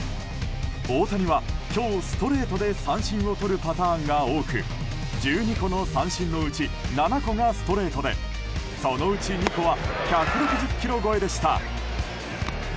大谷は今日、ストレートで三振をとるパターンが多く１２個の三振のうち７個がストレートでそのうち２個は１６０キロ超えでした。